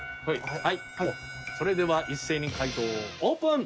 それでは一斉に解答をオープン！